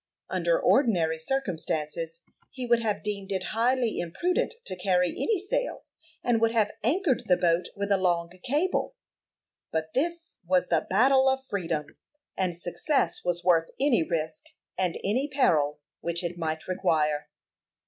Under ordinary circumstances he would have deemed it highly imprudent to carry any sail, and would have anchored the boat with a long cable; but this was the battle of Freedom, and success was worth any risk and any peril which it might require.